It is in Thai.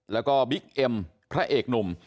แล้วก็บิ๊กเอ็มพระเอกหนุ่ม